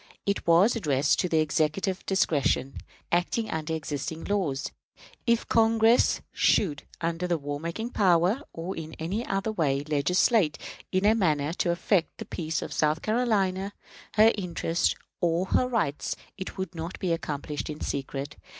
It was addressed to the Executive discretion, acting under existing laws. If Congress should, under the war making power, or in any other way, legislate in a manner to affect the peace of South Carolina, her interests or her rights, it would not be accomplished in secret.